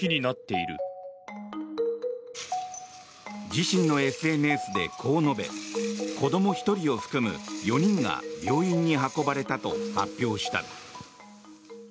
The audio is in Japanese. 自身のＳＮＳでこう述べ子ども１人を含む４人が病院に運ばれたと発表した。